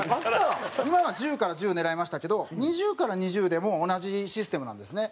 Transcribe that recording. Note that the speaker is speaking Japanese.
今は１０から１０狙いましたけど２０から２０でも同じシステムなんですね。